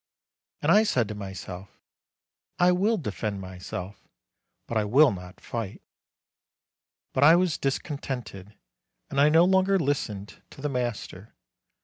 And I said to myself, "I will defend myself, but I will not fight/' But I was discontented, and I no longer listened to the master.